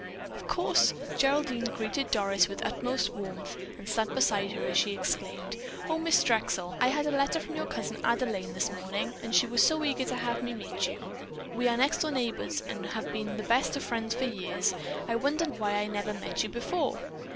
Of course, Geraldine greeted Doris with utmost warmth and sat beside her as she exclaimed: "Oh, Miss Drexel, I had a letter from your cousin Adelaine this morning, and she was so eager to have me meet you. We are next door neighbors and have been the best of friends for years. I wonder why I never met you before."